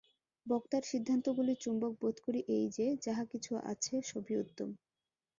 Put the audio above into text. বক্তার সিদ্ধান্তগুলির চুম্বক বোধ করি এই যে, যাহা কিছু আছে, সবই উত্তম।